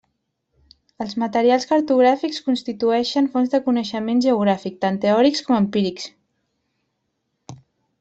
Els materials cartogràfics constitueixen fonts de coneixement geogràfic, tant teòrics com empírics.